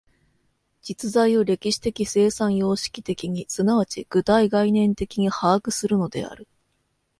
実在を歴史的生産様式的に即ち具体概念的に把握するのである。